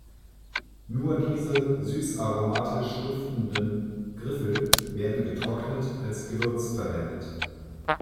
Nur diese süß-aromatisch duftenden Griffel werden getrocknet als Gewürz verwendet.